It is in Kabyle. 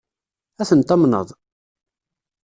Ad ten-tamneḍ?